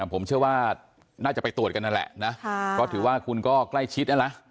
ผมเชื่อว่าน่าจะไปตรวจกันนั่นแหละนะเพราะถือว่าคุณก็ใกล้ชิดนะนะ